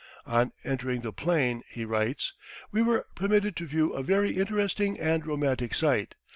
"On entering the plain," he writes, "we were permitted to view a very interesting and romantic sight.